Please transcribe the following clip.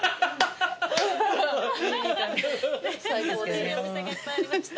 楽しいお店がいっぱいありました。